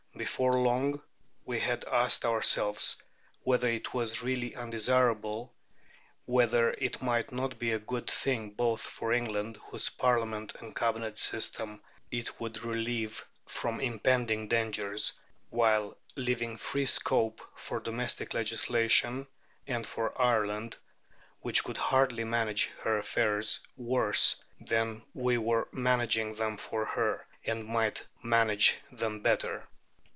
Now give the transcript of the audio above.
Before long we had asked ourselves whether it was really undesirable, whether it might not be a good thing both for England, whose Parliament and Cabinet system it would relieve from impending dangers, while leaving free scope for domestic legislation, and for Ireland, which could hardly manage her affairs worse than we were managing them for her, and might manage them better.